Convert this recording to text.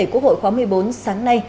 quốc hội khóa một mươi bốn sáng nay